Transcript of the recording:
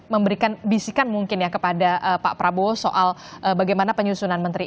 memberikan bisikan mungkin ya kepada pak prabowo soal bagaimana penyusunan menteri